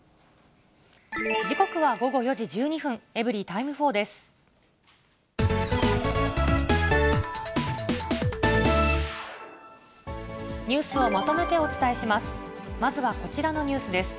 時刻は午後４時１２分、エブリィタイム４です。